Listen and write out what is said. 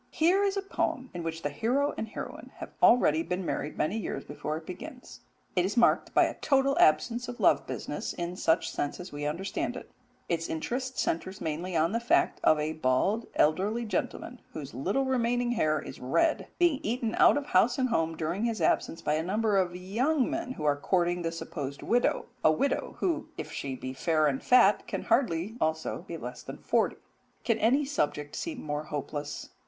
Here is a poem in which the hero and heroine have already been married many years before it begins: it is marked by a total absence of love business in such sense as we understand it: its interest centres mainly in the fact of a bald elderly gentleman, whose little remaining hair is red, being eaten out of house and home during his absence by a number of young men who are courting the supposed widow a widow who, if she be fair and fat, can hardly also be less than forty. Can any subject seem more hopeless?